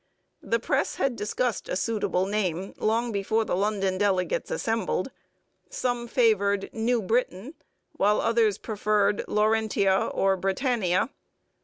The press had discussed a suitable name long before the London delegates assembled. Some favoured New Britain, while others preferred Laurentia or Britannia.